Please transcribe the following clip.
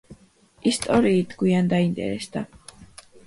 ისტორიით გვიან დაინტერესდა.